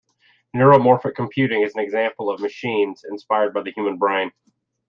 Neuromorphic computing is an example of machines inspired by the human brain.